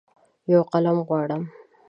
یوقلم غواړم